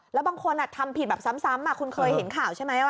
แล้วบางคนทำผิดแบบซ้ำคุณเคยเห็นข่าวใช่ไหม